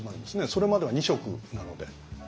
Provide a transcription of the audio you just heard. それまでは２食なので。